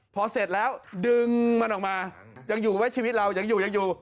พอเสร็จแล้วดึงมันออกมายังอยู่ไหมชีวิตเรายังอยู่ยังอยู่